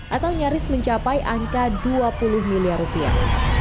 atau nyaris mencapai angka dua puluh miliar rupiah